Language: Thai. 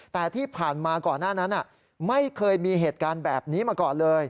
แต่ที่ผ่านมาก่อนหน้านั้นไม่เคยมีเหตุการณ์แบบนี้มาก่อนเลย